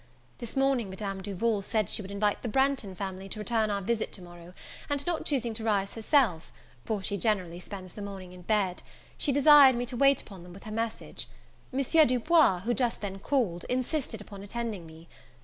This morning Madame Duval said she would invite the Branghton family to return our visit to morrow; and, not choosing to rise herself, for she generally spends the morning in bed, she desired me to wait upon them with her message. M. Du Bois, who just then called, insisted upon attending me.